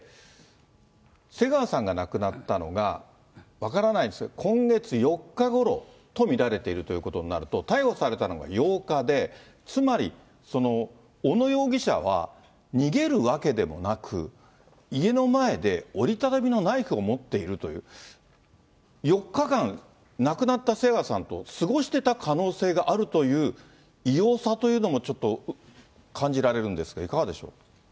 瀬川さんが亡くなったのが、分からないですが、今月４日ごろと見られているということになると、逮捕されたのが８日で、つまり小野容疑者は、逃げるわけでもなく、家の前で折り畳みのナイフを持っているという、４日間、亡くなった瀬川さんと過ごしてた可能性があるという異様さというのもちょっと感じられるんですけど、いかがでしょう。